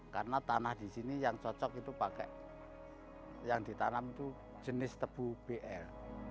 karena tanah di sini yang cocok itu pakai yang ditanam itu jenis tebu bl